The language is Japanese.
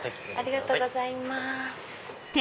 ありがとうございます。